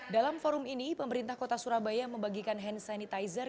dalam forum ini pemerintah kota surabaya membagikan hand sanitizer